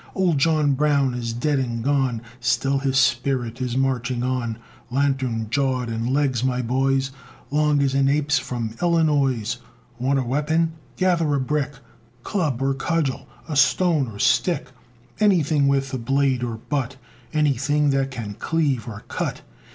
Old John Brown is dead and gone! Still his spirit is marching on, Lantern jawed, and legs, my boys, Long as an ape's from Illinois! Want a weapon? Gather a brick, Club or cudgel, or stone or stick; Anything with a blade or butt, Anything that can cleave or cut.